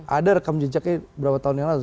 ada rekam jejaknya berapa tahun yang lalu